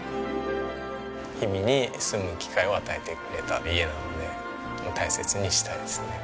氷見に住む機会を与えてくれた家なので大切にしたいですね。